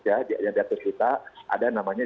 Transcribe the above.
ada yang tercita ada namanya